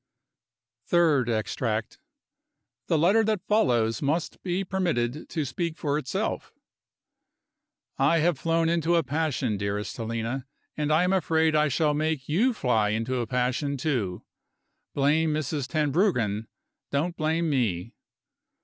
Third Extract. The letter that follows must be permitted to speak for itself: I have flown into a passion, dearest Helena; and I am afraid I shall make you fly into a passion, too. Blame Mrs. Tenbruggen; don't blame me.